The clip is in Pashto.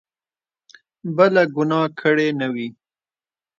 بله ګناه کړې نه وي.